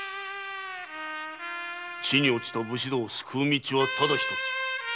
地に堕ちた武士道を救う道はただ一つ。